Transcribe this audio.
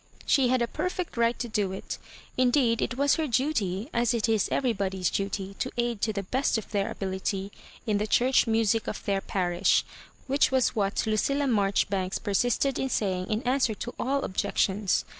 She had a perfect right to do it ; indeed it was her duty, as it is everybody's du^, to aid to the best of their ability in the church music of their parish, which was what Lucilla Marjoribanks persisted in saying in answer to all objections.